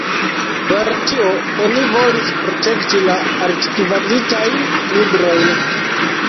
Per tio oni volis protekti la altkvalitajn librojn.